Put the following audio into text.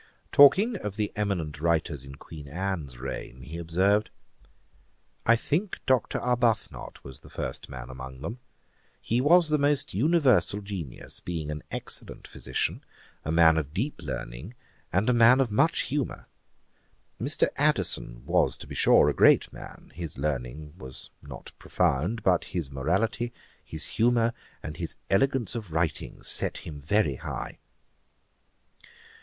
Talking of the eminent writers in Queen Anne's reign, he observed, 'I think Dr. Arbuthnot the first man among them. He was the most universal genius, being an excellent physician, a man of deep learning, and a man of much humour. Mr. Addison was, to be sure, a great man; his learning was not profound; but his morality, his humour, and his elegance of writing, set him very high.'